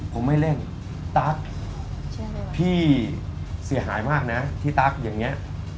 ผมไม่เล่นตั๊กพี่เสียหายมากนะที่ตั๊กอย่างนี้